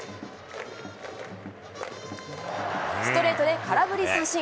ストレートで空振り三振。